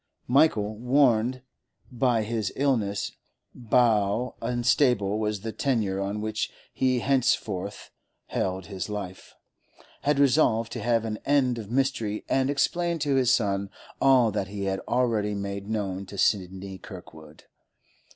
Michael, warned by his illness how unstable was the tenure on which he henceforth held his life, had resolved to have an end of mystery and explain to his son all that he had already made known to Sidney Kirkwood.